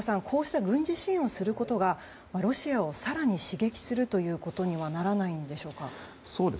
こうした軍事支援をすることがロシアを更に刺激することにはならないんでしょうか。